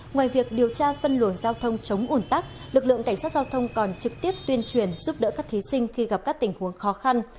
ngoài việc điều tra phân luồng giao thông chống ủn tắc lực lượng cảnh sát giao thông còn trực tiếp tuyên truyền giúp đỡ các thí sinh khi gặp các tình huống khó khăn